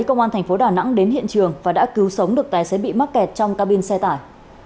công an thành phố đà nẵng đến hiện trường và đã cứu sống được tài xế bị mắc kẹt trong cabin xe tải